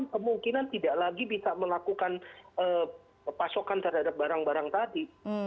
kemungkinan tidak lagi bisa melakukan pasokan terhadap barang barang tadi